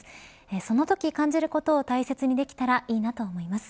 そのとき感じることを大切にできたらいいなと思います。